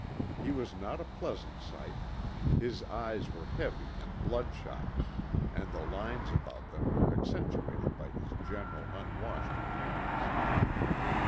He was not a pleasant sight. His eyes were heavy and bloodshot, and the lines about them were accentuated by his general unwashed appearance.